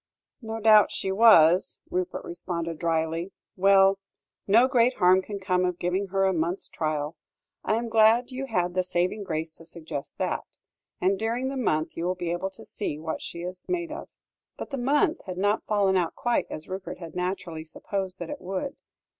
"No doubt she was," Rupert responded drily; "well! no great harm can come of giving her a month's trial. I am glad you had the saving grace to suggest that. And during the month you will be able to see what she is made of." But the month had not fallen out quite as Rupert had naturally supposed that it would.